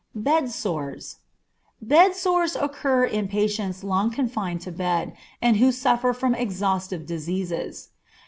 Bed Sores. Bed sores occur in patients long confined to bed, and who suffer from exhaustive diseases.